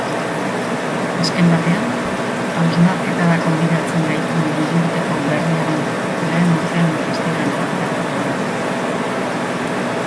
Azken batean, hausnarketara gonbidatzen gaituen milurteko berriaren lehen urteen testigantza grafikoa da.